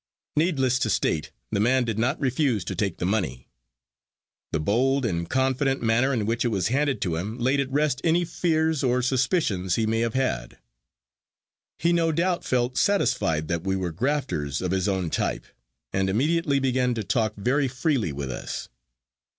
Needless to state, the man did not refuse to take the money. The bold and confident manner in which it was handed to him laid at rest any fears or suspicions he may have had. He no doubt felt satisfied that we were grafters of his own type, and immediately began to talk very freely with us.